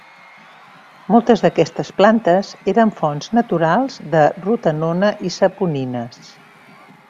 Moltes d'aquestes plantes eren fonts naturals de rotenona i saponines.